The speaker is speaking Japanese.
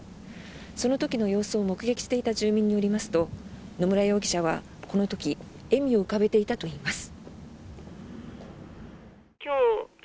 その時の様子を目撃していた住民によりますと野村容疑者はこの時笑みを浮かべていたといいます。